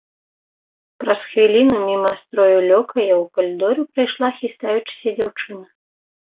Праз хвіліну міма строю лёкаяў у калідоры прайшла, хістаючыся, дзяўчына.